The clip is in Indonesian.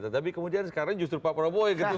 tetapi kemudian sekarang justru pak prabowo yang ketemu